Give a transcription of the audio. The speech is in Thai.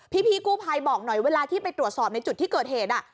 พี่กู้ภัยบอกหน่อยเวลาที่ไปตรวจสอบในจุดที่เกิดเหตุ